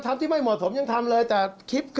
พร้อมเข้าคุก